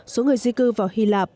số người di cư vào hy lạp